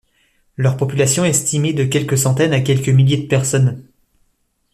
Leur population est estimée de quelques centaines à quelques milliers de personnes.